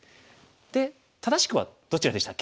で正しくはどちらでしたっけ？